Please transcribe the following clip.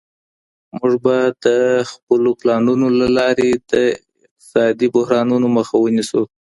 موږ به د خپلو پلانونو له لاري د اقتصادي بحرانونو مخه ونيسو.